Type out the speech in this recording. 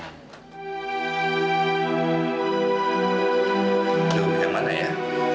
itu yang mana ya